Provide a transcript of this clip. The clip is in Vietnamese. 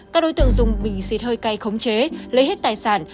các đối tượng dùng bình xịt hơi cay khống chế lấy hết tài sản